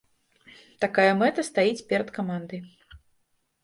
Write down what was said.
Такая мэта стаіць перад камандай.